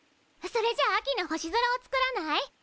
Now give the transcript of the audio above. それじゃあ秋の星空を作らない？